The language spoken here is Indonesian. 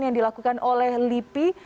yang dilakukan oleh lippi